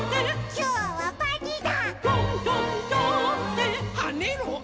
きょうはパーティーだ！」